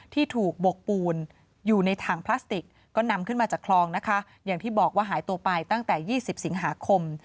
ที่ถูกบกปูนอยู่ในถังพลาสติกก็นำขึ้นมาจากคลองนะคะอย่างที่บอกว่าหายตัวไปตั้งแต่๒๐สิงหาคม